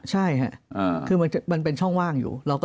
ใช่ค่ะคือมันเป็นช่องว่างอยู่